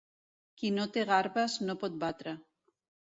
Qui no té garbes no pot batre.